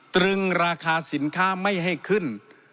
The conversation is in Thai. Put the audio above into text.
ตรึงราคาสินค้าไม่ให้ขึ้น